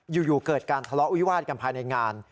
อยู่เกิดการทะเลาะวิวาดกันภายในงาน